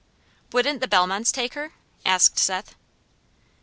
"Wouldn't the Bellmonts take her?" asked Seth.